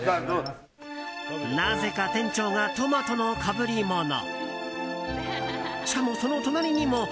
なぜか店長がトマトのかぶりもの。